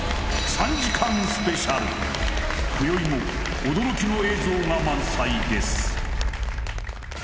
３時間スペシャル今宵も驚きの映像が満載です